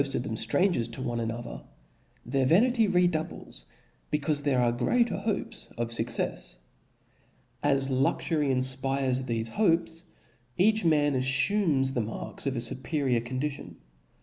139 of them ftrangers to one another, their vanity re Book doubles, becaufe there are greater hopes of fuccefs. rw'.^ As luxury infpires thefe hopes, e^ch man aflumes the marks of a fuperior condition.